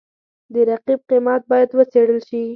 د رقیب قیمت باید وڅېړل شي.